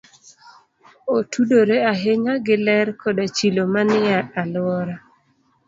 Otudore ahinya gi ler koda chilo manie alwora.